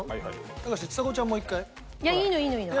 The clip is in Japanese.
高橋ちさ子ちゃんもう一回。いいのいいのいいの。